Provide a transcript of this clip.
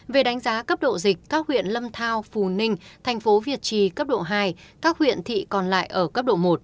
về đánh giá cấp độ dịch các huyện lâm thao phù ninh thành phố việt trì cấp độ hai các huyện thị còn lại ở cấp độ một